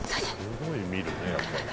すごい見るねやっぱりね。